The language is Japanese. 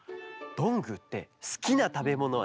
どんぐーってすきなたべものはなに？